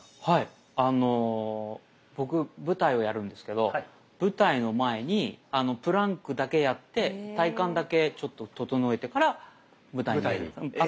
はいあの僕舞台をやるんですけど舞台の前にプランクだけやって体幹だけちょっと整えてから舞台にうん。